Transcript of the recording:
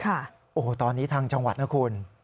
โอ้โหตอนนี้ทางจังหวัดนะคุณ